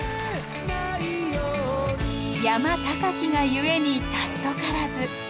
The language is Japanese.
山高きが故に貴からず。